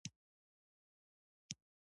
د احمد د لاس دانې سر وکړ او تشه شوه.